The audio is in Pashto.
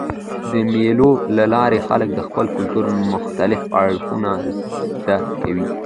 د مېلو له لاري خلک د خپل کلتور مختلف اړخونه زده کوي.